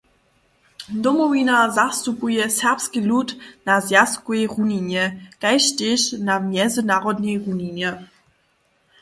Domowina zastupuje serbski lud na zwjazkowej runinje kaž tež na mjezynarodnej runinje.